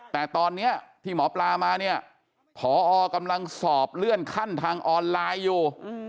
แต่ตอนนี้ที่หมอปลามาเนี่ยพอกำลังสอบเลื่อนขั้นทางออนไลน์อยู่